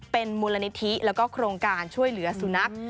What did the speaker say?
เป็นมูลนิธิแล้วก็โครงการช่วยเหลือสุนัข